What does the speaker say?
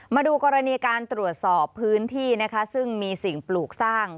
มาดูกรณีการตรวจสอบพื้นที่นะคะซึ่งมีสิ่งปลูกสร้าง